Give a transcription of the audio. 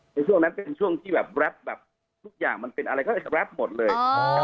ในช่วงนั้นเป็นช่วงที่แบบแรปแบบทุกอย่างมันเป็นอะไรก็แรปหมดเลย